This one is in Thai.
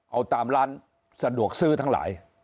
เอาตามร้านสะดวกซื้อทั้งหลาย